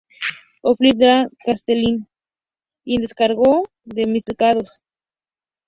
ofició Fray Lope Castellar, y en descargo de mis pecados, yo serví de acólito.